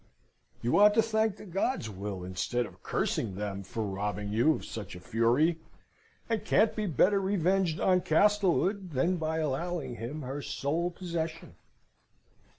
You ought to thank the gods, Will, instead of cursing them, for robbing you of such a fury, and can't be better revenged on Castlewood than by allowing him her sole possession."